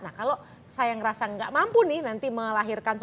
nah kalau saya ngerasa enggak mampu nih nanti melahirkan seorang anak